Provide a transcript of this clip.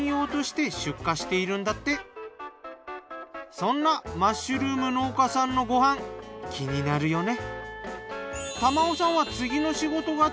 そんなマッシュルーム農家さんのご飯気になるよね。